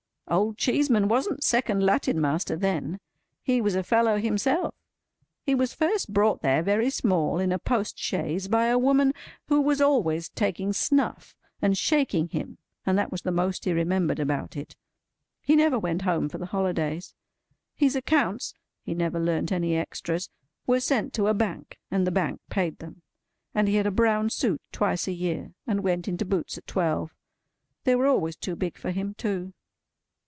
Old Cheeseman wasn't second Latin Master then; he was a fellow himself. He was first brought there, very small, in a post chaise, by a woman who was always taking snuff and shaking him—and that was the most he remembered about it. He never went home for the holidays. His accounts (he never learnt any extras) were sent to a Bank, and the Bank paid them; and he had a brown suit twice a year, and went into boots at twelve. They were always too big for him, too.